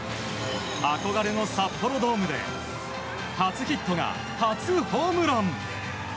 憧れの札幌ドームで初ヒットが初ホームラン。